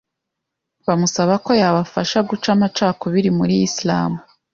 bamusaba ko yabafasha guca amacakubiri muri Islam,